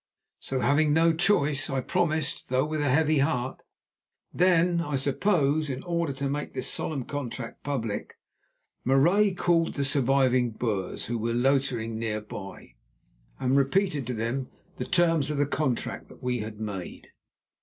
So, having no choice, I promised, though with a heavy heart. Then, I suppose in order to make this solemn contract public, Marais called the surviving Boers, who were loitering near, and repeated to them the terms of the contract that we had made.